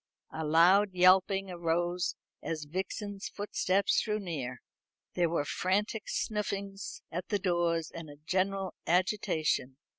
A loud yelping arose as Vixen's footsteps drew near. Then there were frantic snuffings under the doors, and a general agitation.